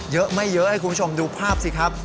เยอะไม่เยอะให้คุณผู้ชมดูภาพสิครับ